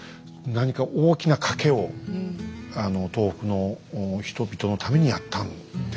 何か大きな賭けを東北の人々のためにやったんですかね。